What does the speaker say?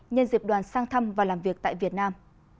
nhân dịp đoàn sang thăm và làm việc tại việt nam